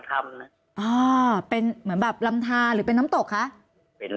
อ๋อเป็นเหมือนแบบลำทาหรือเป็นน้ำตกคะเป็น